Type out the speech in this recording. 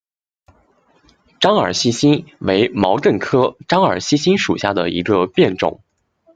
獐耳细辛为毛茛科獐耳细辛属下的一个变种。